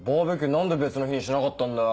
何で別の日にしなかったんだよ。